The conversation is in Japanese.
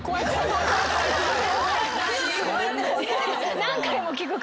何回も聞くから。